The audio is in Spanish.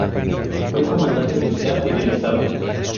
Fue comandante militar en el Estado.